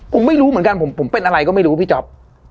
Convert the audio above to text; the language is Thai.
ผมไม่รู้เหมือนกันผมเป็นอะไรก็ไม่รู้พี่จ๊อป